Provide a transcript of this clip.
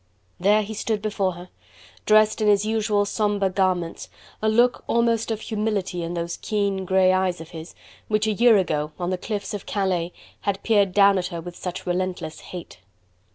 There he stood before her, dressed in his usual somber garments, a look almost of humility in those keen grey eyes of his, which a year ago on the cliffs of Calais had peered down at her with such relentless hate.